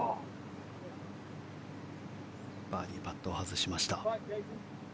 バーディーパットを外しました。